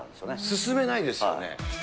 進めないですよね。